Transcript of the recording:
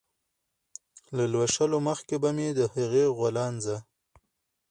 له لوشلو مخکې به مې د هغې غولانځه